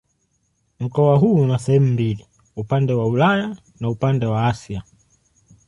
Mkoa huu una sehemu mbili: una upande wa Ulaya na upande ni Asia.